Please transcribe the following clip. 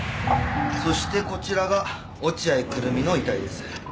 そしてこちらが落合久瑠実の遺体です。